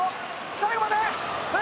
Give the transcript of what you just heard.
最後まで。